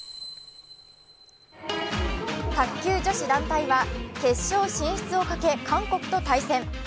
卓球女子団体は、決勝進出をかけ韓国と対戦。